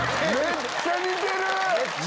めっちゃ似てる！